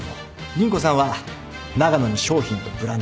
凛子さんはながのに商品とブランドを。